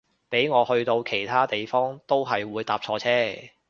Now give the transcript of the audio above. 俾我去到其他地方都係會搭錯車